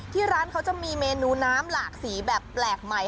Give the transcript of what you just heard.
ที่ร้านเขาจะมีเมนูน้ำหลากสีแบบแปลกใหม่